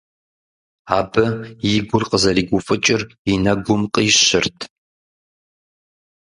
Абы и гур къызэригуфӀыкӀыр и нэгум къищырт.